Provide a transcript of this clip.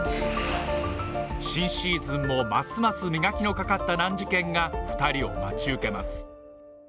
新シーズンもますます磨きのかかった難事件が２人を待ち受けます